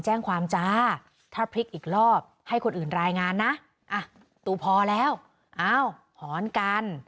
แจ้งความจ้าถ้าพลิกอีกรอบให้คนอื่นรายงานนะตูพอแล้วอ้าวหอนกัน